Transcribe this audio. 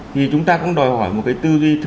thì chúng ta cũng đòi hỏi một cái tư duy